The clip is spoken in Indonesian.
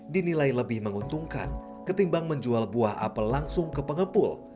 dinilai lebih menguntungkan ketimbang menjual buah apel langsung ke pengepul